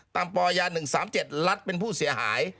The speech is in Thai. ปย๑๓๗รัฐเป็นผู้เสียหาย